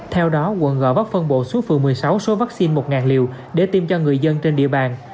theo đó quận g vấp phân bộ xuống phường một mươi sáu số vaccine một liều để tiêm cho người dân trên địa bàn